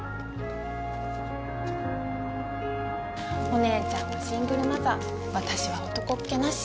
お姉ちゃんはシングルマザー私は男っ気なし。